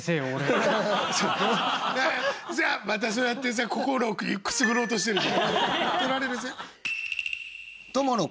またそうやってさ心をくすぐろうとしてる。